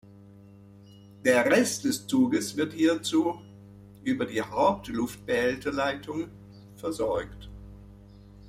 Der Rest des Zuges wird hierzu über die Hauptluftbehälterleitung versorgt.